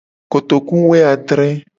Kotokuwuiadre.